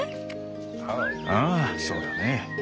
ああそうだね。